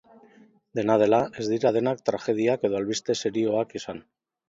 Dena dela, ez dira denak tragediak edo albiste serioak izan.